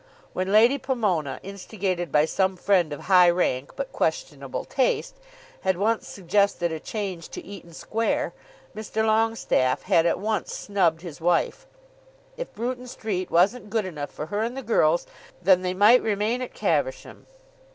When Lady Pomona, instigated by some friend of high rank but questionable taste, had once suggested a change to Eaton Square, Mr. Longestaffe had at once snubbed his wife. If Bruton Street wasn't good enough for her and the girls then they might remain at Caversham.